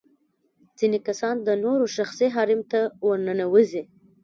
ځينې کسان د نورو شخصي حريم ته ورننوزي.